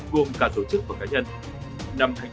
gồm cả tổ chức và cá nhân